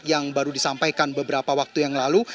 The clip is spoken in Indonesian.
yang baru disampaikan beberapa waktu yang lalu